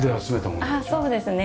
あっそうですね。